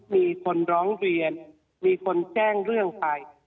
มีคนร้องเรียนมีคนแจ้งเรื่องไป